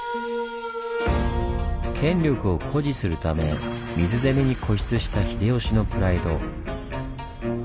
権力を誇示するため水攻めに固執した秀吉のプライド。